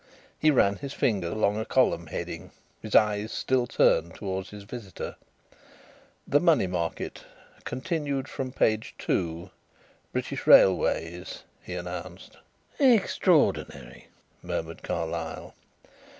He ran his finger along a column heading, his eyes still turned towards his visitor. "'The Money Market. Continued from page 2. British Railways,'" he announced. "Extraordinary," murmured Carlyle.